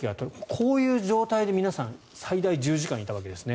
こういう状態で、皆さん最大１０時間いたわけですね。